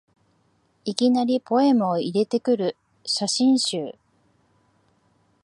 いきなりポエムを入れてくる写真集